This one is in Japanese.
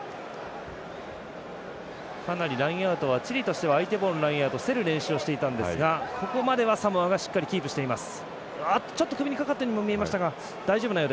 かなりラインアウトはチリとしては相手ボールのラインアウト競る練習をしていたんですがここまではサモアがしっかりキープしています。